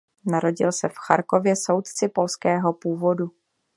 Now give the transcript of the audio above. Narodil se v Charkově soudci polského původu.